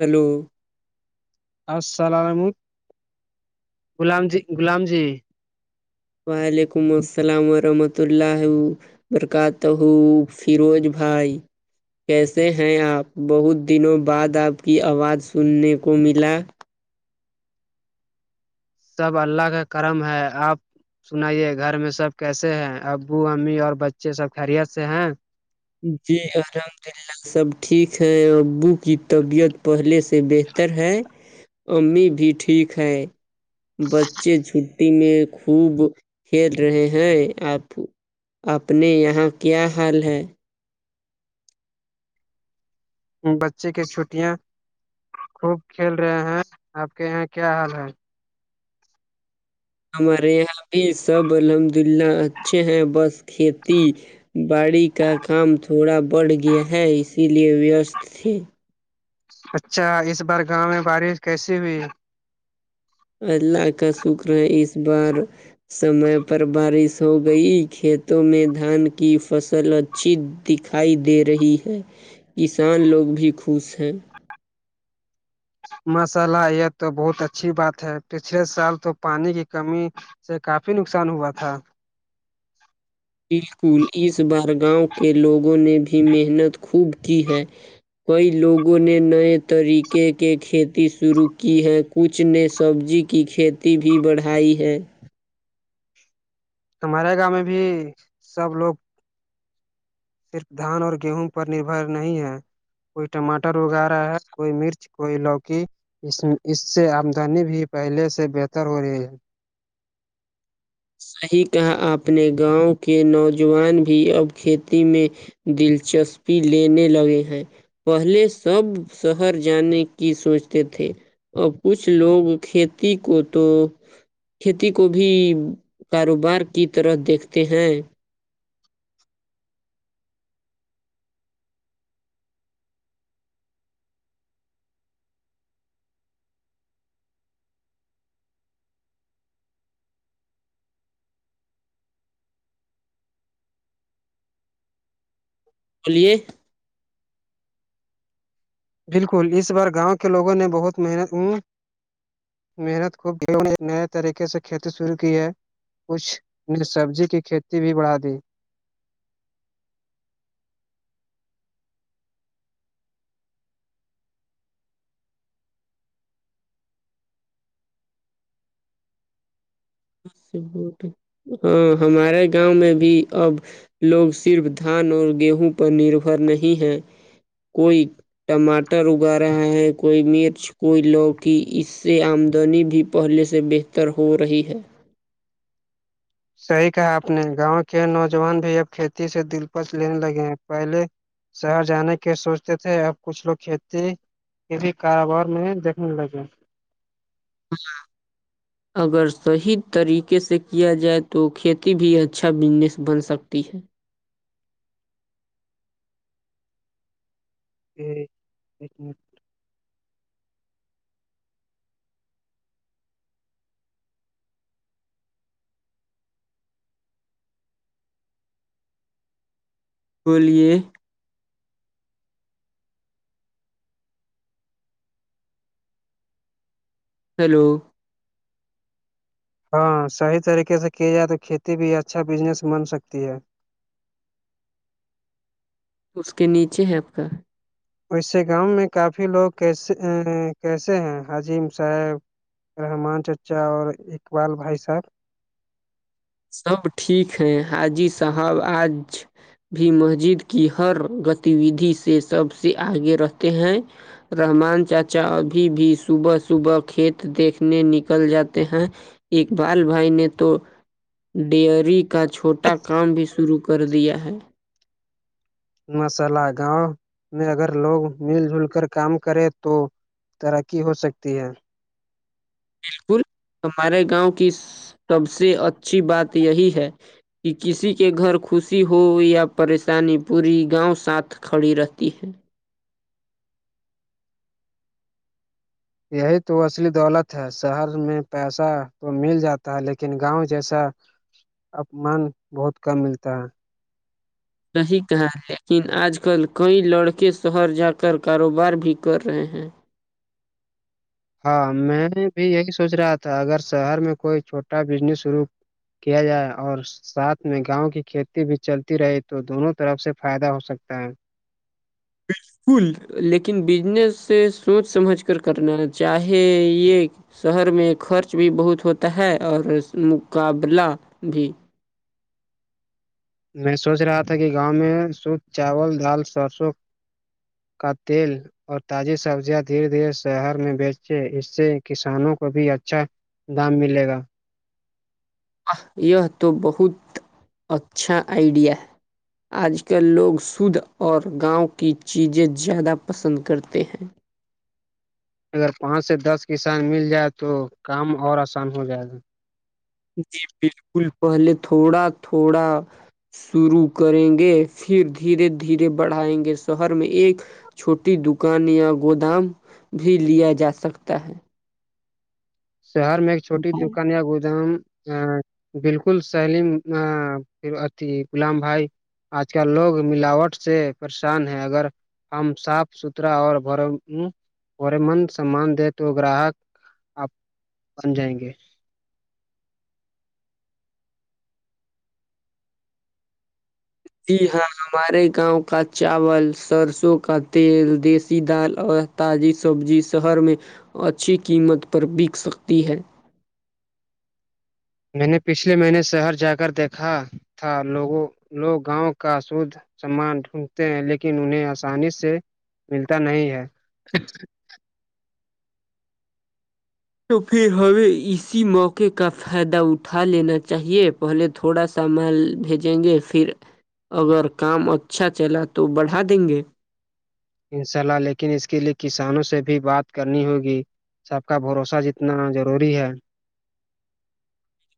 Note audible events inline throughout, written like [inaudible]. hello السلام غلام جی غلام جی وعلیکم السلام ورحمۃ اللہ برکات تہوو فیروز بھائی کیسے ہیں آپ بہت دنوں بعد آپ کی آواز سننے کو ملا سب اللہ کا کرم ہے آپ سنائیے گھر میں سب کیسے ہیں ابو امی اور بچے سب خیریت سے ہیں جی الحمد للہ سب ٹھیک ہیں ابو کی طبیعت پہلے سے بہ تر ہے امی بھی ٹھیک ہے بچے ج تی میں خوب کھیل رہے ہیں آپ اپنے یہاں کیا حال ہے بچے کی چھٹیاں خوب کھیل رہے ہیں آپ کے یہاں کیا حال ہے ہمارے یہاں بھی سب الحمد اللہ اچھے ہیں بس کھیتی باڑی کا کام تھوڑا بڑھ گیا ہے اسی لیے ویستست تھے اچھا اس بار گاؤں میں بارش کیسی ہوئی اللہ کا شکر ہے اس بار سمے پر بارش ہو گئی کھیتوں میں دھان کی فصل اچھی دکھائی دے رہی ہے کسان لوگ بھی خوش ہیں ماشاء اللہ یہ تو بہت اچھی بات ہے پچھلے سال تو پانی کی کمی سے کافی نقصان ہوا تھا بالکل اس بار گاؤں کے لوگوں نے بھی محنت خوب کی ہے کئی لوگوں نے نئے طریقے کے کھیتی شروع کی ہے کچھ نے سبزی کی کھیتی بھی بڑھائی ہے ہمارے گاؤں میں بھی سب لوگ صرف دھان اور گیہوں پر نربھر نہیں ہے کوئی ٹماٹر اگا رہا ہے کوئی مرچ کوئی لوکی اس اس سے آمدنی بھی پہلے سے بہتر ہو رہی ہے صحیح کہا آپنے گاؤں کے نوجوان بھی اب کھیتی میں دلچسپی لینے لگے ہیں پہلے سب شہر جانے کی سوچتے تھے اور کچھ لوگ کھیتی کو تو کھیتی کو بھی کاروبار کی طرح دیکھتے ہیں بولیے بالکل اس بار گاؤں کے لوگوں نے بہت محنت او محنت کو انہوں نئے طریقے سے کھیتی شروع کی ہے کچھ نے سبزی کی کھیتی بھی بڑھا دی ہاں ہمارے گاؤں میں بھی اب لوگ صرف دھان اور گیہوں پر نربھر نہیں ہے کوئی ٹماٹر اگا رہے ہیں کوئی مرچ کوئی لوکی اس سے آمدنی بھی پہلے سے بہتر ہو رہی ہے صحیح کہا آپ نے گاؤں کے نوجوان بھی اب کھیتی سے دلپش لینے لگے ہیں پہلے شہر جانے کے سوچتے تھے اب کچھ لوگ کھیتی کسی کاروبار میں دیکھنے لگے [inaudible] اگر صحیح طریقے سے کیا جائے تو کھیتی بھی اچھا بزنس بن سکتی ہے ہمم بولیے ہیلو ہاں صحیح طریقے سے کی جائے تو کھیتی بھی اچھا بزنس بن سکتی ہے اس کے نیچے ہے اب کا ویسے گاؤں میں کافی لوگ کیسے آں کیسے ہیں عظیم صاحب رحمان چچا اور اقبال بھائی صاحب سب ٹھیک ہے حاجی صاحب آج بھی مسجد کی ہر گتی ودھی سے سب سے آگے رہتے ہیں رحمان چاچا ابھی بھی صبح صبح کھیت دیکھنے نکل جاتے ہیں اقبال بھائی نے تو ڈیئری کا چھوٹا کام بھی شروع کردیا ہے ماشاءاللہ گاؤں میں اگر لوگ مل جل کر کام کرے تو ترقی ہوسکتی ہے بالکل تمہارے گاؤں کی سب سے اچھی بات یہی ہے کی کسی کے گھر خوشی ہو یا پریشانی پوری گاؤں ساتھ کھڑی رہتی ہے یہی تو اصلی دولت ہے شہر میں پیسہ تو مل جاتا ہے لیکن گاؤں جیسا اپمان بہت کم ملتا ہے صحیح کہا ہے لیکن آج کل کئی لڑکے شہر جا کر کاروبار بھی کررہے ہیں ہاں میں نے بھی یہی سوچ رہا تھا اگر شہر میں کوئی چھوٹا بزنس شروع کیا جائے اور ساتھ میں گاؤں کی کھیتی بھی چلتی رہے تو دونوں طرف سے فائدہ ہوسکتا ہے کول لیکن بزنس سے سوچ سمجھ کر کرنا چاہے یے شہر میں خرچ بھی بہت ہوتا ہے اور مقابلہ بھی میں سوچ رہا تھا کی گاؤں میں شدھ چاول دال سرسوں کا تیل اور تازی سبزیاں دھیرے دھیرے شہر میں بیچے اس سے کسانوں کو بھی اچھا دام ملے گا یہ تو بہت اچھا آئیڈیا ہے آج کل لوگ شدھ اور گاؤں کی چیزیں زیادہ پسند کرتے ہیں اگر پانچ سے دس کسان مل جائے تو کام اور آسان ہو جائے گا جی بالکل پہلے تھوڑا تھوڑا شروع کریں گے پھر دھیرے دھیرے بڑھائیں گے شہر میں ایک چھوٹی دکان یا گودام بھی لیا جاسکتا ہے شہر میں ایک چھوٹی دکان یا گودام آ بالکل سلیم آ [unintelligible] غلام بھائی آج کل لوگ ملاوٹ سے پریشان ہے اگر ہم صاف ستھرا اور بھرم امم پورے من سمان دے تو گراہک آپ سمجھائیں گے کی ہم ہمارے گاؤں کا چاول سرسوں کا تیل دیسی دال اور تازی سبزی شہر میں اچھی قیمت پر بک سکتی ہے میں نے پچھلے مہینے شہر جا کر دیکھا تھا لوگوں لوگ گاؤں کا سود سمان ڈھونڈتے ہیں لیکن انہیں آسانی سے ملتا نہیں ہے تو پھر ہمیں اسی موقعے کا فائدہ اٹھا لینا چاہیے پہلے تھوڑا سا مال بھیجیں گے پھر اگر کام اچھا چلا تو بڑھا دیں گے انشاء اللہ لیکن اس کے لیے کسانوں سے بھی بات کرنی ہوگی سب کا بھروسہ جتنا ضروری ہے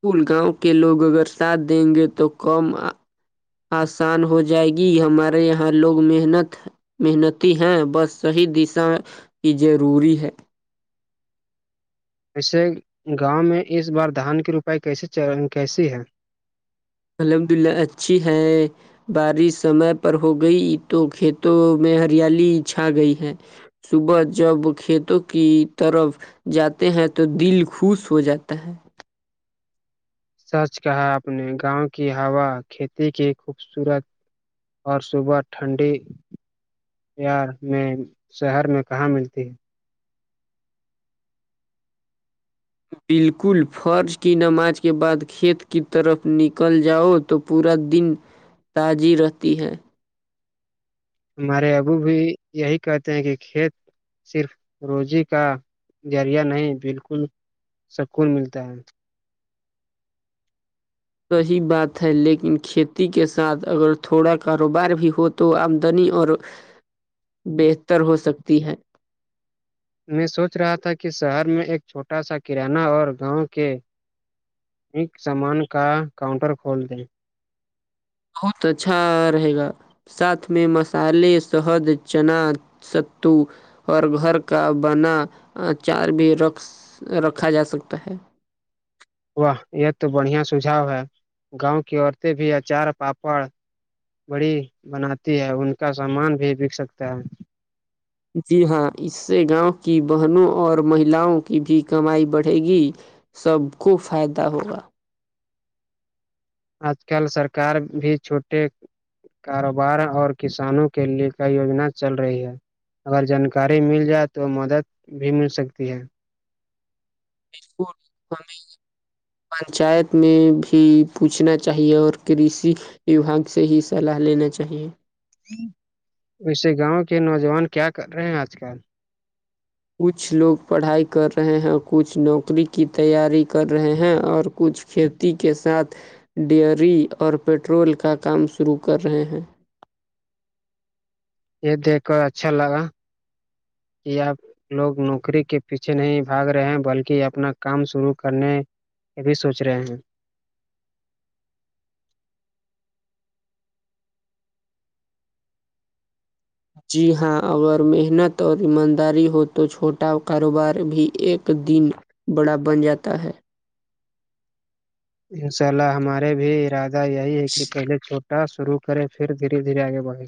کل گاؤں کے لوگ اگر ساتھ دیں گے تو کم آسان ہو جائے گی ہمارے یہاں لوگ محنت محنتی ہیں بس صحیح دشا ہی ضروری ہے ویسے گاؤں میں اس بار دھان کی روپائی کیسی چا کیسی ہے الحمد للہ اچھی ہے بارش سمے پر ہو گئی تو کھیتوں میں ہریالی چھا گئی ہے صبح جب بچوں کو کھیتوں کی طرف جاتے ہیں تو دل خوش ہو جاتا ہے سچ کہا آپ نے گاؤں کی ہوا کھیتی کی خوبصورت اور صبح ٹھنڈی یار میں شہر میں کہاں ملتی ہے بالکل فرض کی نماز کے بعد کھیت کی طرف نکل جاؤ تو پورا دن تازی رہتی ہے ہمارے ابو بھی یہی کہتے ہیں کہ کھیت صرف روزی کا ذریعہ نہیں بالکل سکون ملتا ہے صحیح بات ہے لیکن کھیتی کے ساتھ اگر تھوڑا کاروبار بھی ہو تو آمدنی اور بہتر ہو سکتی ہے میں سوچ رہا تھا کہ شہر میں ایک چھوٹا سا کرانہ اور گاؤں کے ایک سامان کا کاؤنٹر کھول دیں بہت اچھا رہے گا ساتھ میں مسالے شہد چنا ستو اور گھر کا بناچار بھی رکھ رکھا جا سکتا ہے واہ یہ تو بڑھیا سجھاؤ ہے گاؤں کی عورتیں بھی اچار پاپڑ بڑی بناتی ہے ان کا سامان بھی بک سکتا ہے جی ہاں اس سے گاؤں کی بہنوں اور مہیلاؤں کی بھی کمائی بڑھے گی سب کو فائدہ ہوگا آج کل سرکار بھی چھوٹے کاروبار اور کسانوں کے لیے کئی یوجنا چل رہی ہے اگر جانکاری مل جائے تو مدد بھی مل سکتی ہے اس [unintelligible] پنچایت میں بھی پوچھنا چاہیے اور کرسیی یواگ سے ہی صلاح لینا چاہیے ویسے گاؤں کے نوجوان کیا کر رہے ہیں آج کل کچھ لوگ پڑھائی کر رہے ہیں کچھ نوکری کی تیاری کر رہے ہیں اور کچھ کھیتی کے ساتھ ڈیری اور پٹرول کا کام شروع کر رہے ہیں یہ دیکھ کر اچھا لگا کہ آپ لوگ نوکری کے پیچھے نہیں بھاگ رہے ہیں بلکہ اپنا کام شروع کرنے یہ بھی سوچ رہے ہیں جی ہاں اگر محنت اور ایمانداری ہو تو چھوٹا کاروبار بھی ایک دن بڑا بن جاتا ہے انشاء اللہ ہمارے بھی ارادہ یہی ہے کہ پہلے چھوٹا شروع کرے پھر دھیرے دھیرے آگے بڑھ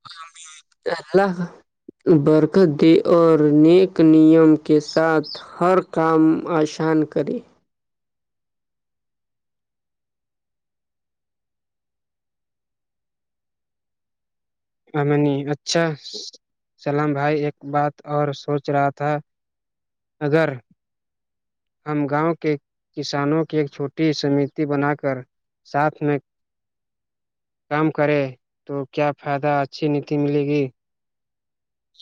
[inaudible] برکت دے اور نیک نیم کے ساتھ ہر کام آشان کرے امنی اچھا سلام بھائی ایک بات اور سوچ رہا تھا اگر ہم گاؤں کے کسانوں کی ایک چھوٹی سمتی بنا کر ساتھ میں کام کرے تو کیا فائدہ اچھی نیتی ملے گی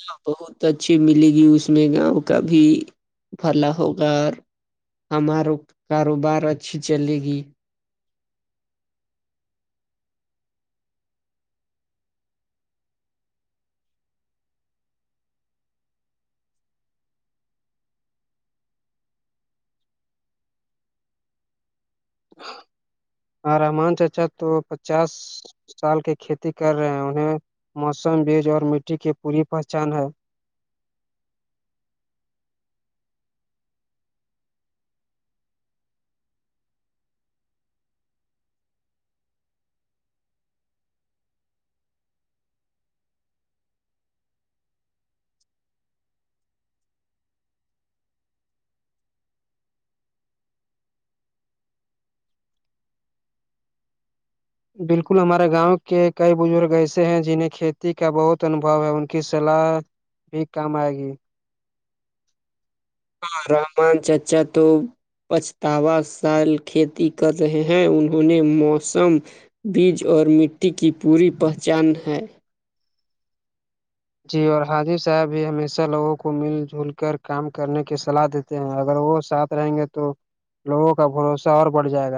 ہاں بہت اچھی ملے گی اس میں گاؤں کا بھی پھلا ہوگا ہمار کاروبار اچھی چلے گی ہاں رحمان چچا تو پچاس سال کی کھیتی کر رہے ہیں انہیں موسم بیج اور مٹی کی پوری پہچان ہے بالکل ہمارے گاؤں کے کئی بزرگ ایسے ہیں جنہں کھیتی کا بہت انبو ہے ان کی سلاح بھی کام آئے گی ہاں رحمان چچا تو پچھتاوا سال کھیتی کر رہے ہیں انہوں نے موسم بیج اور مٹی کی پوری پہچان ہے جی اور حاجی صاحب بھی ہمیشہ لوگوں کو مل جل کر کام کرنے کی سلاح دیتے اگر وہ ساتھ رہیں گے تو لوگوں کا بھروسہ اور بڑھ جائے گا